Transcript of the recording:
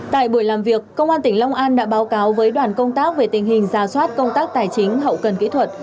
tại buổi làm việc công an tỉnh long an đã báo cáo với đoàn công tác về tình hình ra soát công tác tài chính hậu cần kỹ thuật